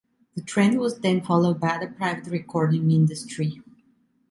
The trend was then followed by other private recording industry.